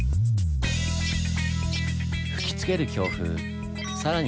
吹きつける強風更に